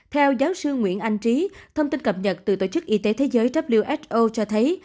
theo giáo sư nguyễn anh trí thông tin cập nhật từ tổ chức y tế thế giới who cho thấy